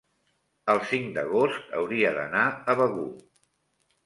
el cinc d'agost hauria d'anar a Begur.